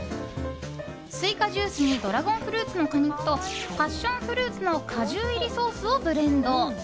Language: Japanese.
スイカジュースにドラゴンフルーツの果肉とパッションフルーツの果汁入りソースをブレンド。